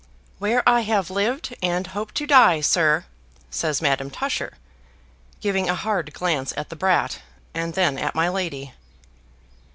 "Where I have lived and hope to die, sir," says Madame Tusher, giving a hard glance at the brat, and then at my lady.